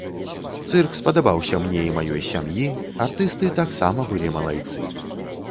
Цырк спадабаўся мне і маёй сям'і, артысты таксама былі малайцы.